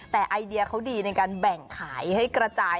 แต่ไอเดียเขาดีในการแบ่งขายให้กระจาย